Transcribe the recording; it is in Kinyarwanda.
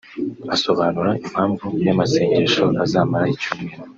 Asobanura impamvu y’amasengesho azamara icyumweru